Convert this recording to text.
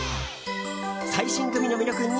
最新グミの魅力２